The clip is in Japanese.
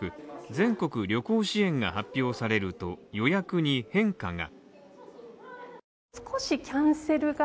全国旅行支援が発表されると、予約に変化が。